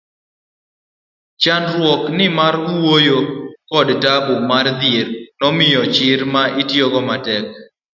chandruok ni mar wuoyo kod tabu mar dhier nomiya chir mar tiyo matek